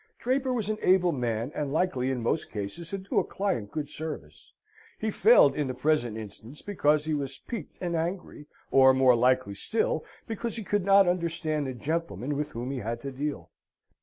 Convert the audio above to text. Draper was an able man, and likely in most cases to do a client good service: he failed in the present instance because he was piqued and angry, or, more likely still, because he could not understand the gentleman with whom he had to deal.